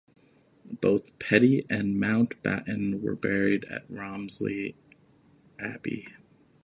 Both Petty and Mountbatten were buried at Romsey Abbey.